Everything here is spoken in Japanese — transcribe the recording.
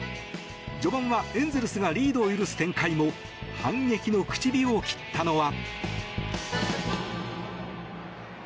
序盤はエンゼルスがリードを許す展開も反撃の口火を切ったのは。